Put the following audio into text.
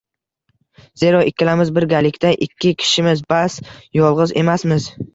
Zero, ikkalamiz bir-galikda ikki kishimiz, bas, yolg‘iz emasmiz.